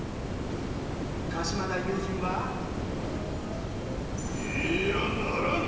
鹿島大明神は「イイヤならぬ！